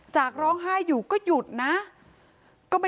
จากร้องไห้อยู่ก็หยุดนะ